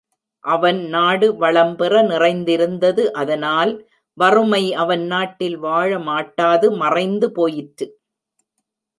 அவன் நாடு வளம் பல நிறைந்திருந்தது அதனால், வறுமை அவன் நாட்டில் வாழமாட்டாது மறைந்து போயிற்று.